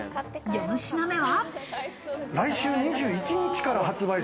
４品目は。